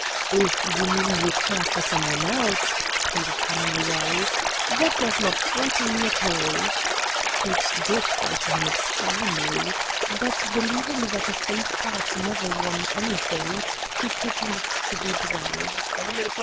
"If you mean you care for some one else," pleaded Hemingway, "that does not frighten me at all." It did frighten him extremely, but, believing that a faint heart never won anything, he pretended to be brave.